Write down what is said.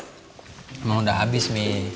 emang udah habis mi